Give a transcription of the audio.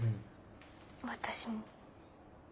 私も。